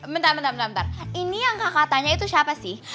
bentar bentar bentar ini yang kakak tanya itu siapa sih